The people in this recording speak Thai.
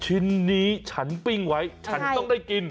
ชิ้นนี้ฉันปิ้งไว้ฉันต้องได้กิน